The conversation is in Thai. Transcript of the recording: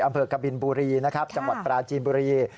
เอำเผิร์ยกบินบุรีนะครับจังหวัดปราจีนบุรี